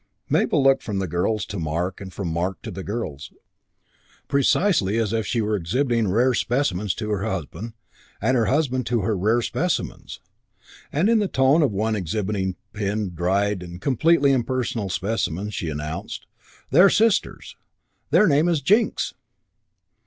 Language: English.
Mabel looked from the girls to Mark and from Mark to the girls, precisely as if she were exhibiting rare specimens to her husband and her husband to her rare specimens. And in the tone of one exhibiting pinned, dried, and completely impersonal specimens, she announced, "They're sisters. Their name is Jinks."